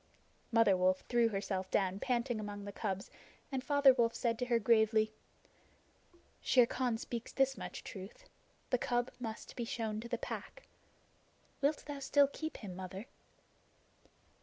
Mother Wolf threw herself down panting among the cubs, and Father Wolf said to her gravely: "Shere Khan speaks this much truth. The cub must be shown to the Pack. Wilt thou still keep him, Mother?"